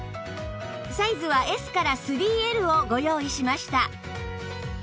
サイズは Ｓ３Ｌ をご用意しました